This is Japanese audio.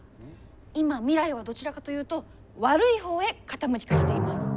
今未来はどちらかというと悪い方へ傾きかけています。